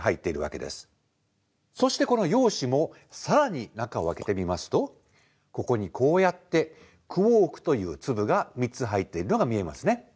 そしてこの陽子も更に中を開けてみますとここにこうやってクォークという粒が３つ入っているのが見えますね。